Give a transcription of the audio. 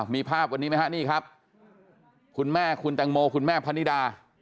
มีภาพวันนี้ไหมฮะนี่ครับคุณแม่คุณแตงโมคุณแม่พนิดา